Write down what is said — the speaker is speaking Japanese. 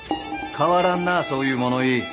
変わらんなそういう物言い。